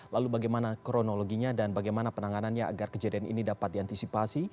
lalu bagaimana kronologinya dan bagaimana penanganannya agar kejadian ini dapat diantisipasi